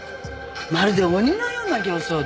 まるで鬼のような形相で。